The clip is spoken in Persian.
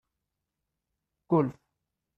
گلف